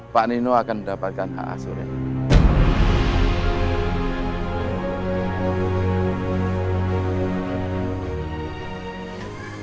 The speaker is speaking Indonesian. pak nino akan mendapatkan hak asuran